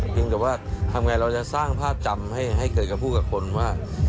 แต่ว่าทำไงเราจะสร้างภาพจำให้เกิดกับผู้กับคนว่า